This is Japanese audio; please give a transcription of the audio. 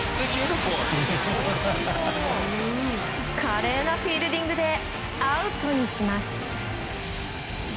華麗なフィールディングでアウトにします。